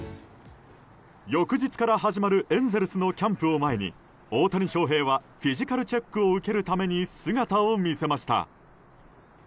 翌日から始まるエンゼルスのキャンプを前に大谷翔平はフィジカルチェックを受けるために姿を見せました。